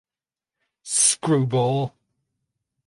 Screwball!